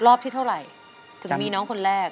รอบที่เท่าไหร่ถึงมีน้องคนแรก